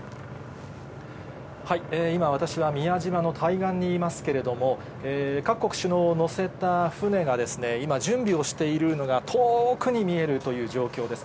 今、私は宮島の対岸にいますけれども、各国首脳を乗せた船がですね、今、準備をしているのが、遠くに見えるという状況です。